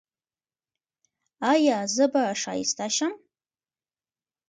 ایا زه به ښایسته شم؟